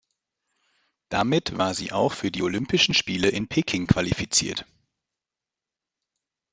Damit war sie auch für die Olympischen Spiele in Peking qualifiziert.